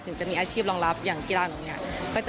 ถึงจะมีอาชีพรองรับอย่างกีฬาหนุ่มงาน